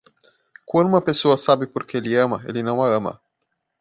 Quando uma pessoa sabe por que ele ama, ele não a ama.